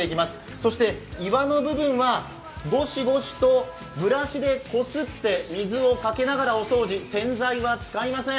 そして岩の部分はゴシゴシとブラシでこすって水をかけながらお掃除、洗剤は使いません。